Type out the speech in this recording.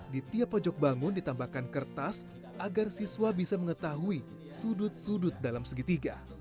di tiap pojok bangun ditambahkan kertas agar siswa bisa mengetahui sudut sudut dalam segitiga